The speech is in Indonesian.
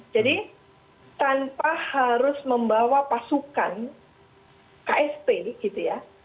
jadi tanpa harus membawa pasukan ksp gitu ya